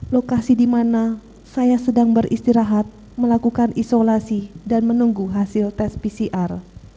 lokasi di mana saya sedang beristirahat melakukan isolasi dan menunggu hasil tes pcr